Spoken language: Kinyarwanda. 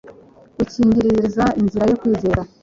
wikingiriza inzira yo kwera